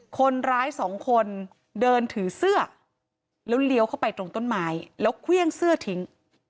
คนร้ายสองคนเดินถือเสื้อแล้วเลี้ยวเข้าไปตรงต้นไม้แล้วเครื่องเสื้อทิ้ง